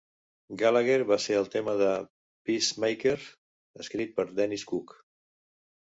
Gallagher va ser el tema del "Peacemaker", escrit per Dennis Cooke.